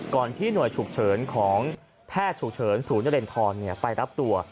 ที่หน่วยฉุกเฉินของแพทย์ฉุกเฉินศูนย์นเรนทรไปรับตัว